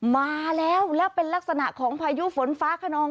มาแล้วแล้วเป็นลักษณะของพายุฝนฟ้าขนอง